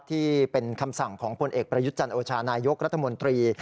ที่เป็นคำสั่งของพลเอกประยุทธ์จันโอชานายกรัฐมนตรี